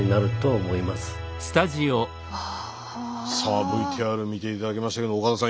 さあＶＴＲ見て頂きましたけど岡田さん